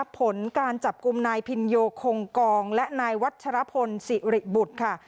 ผลการจับกลุ่มนายพินโยคงกองและนายวัชรพลสิริบุตรค่ะ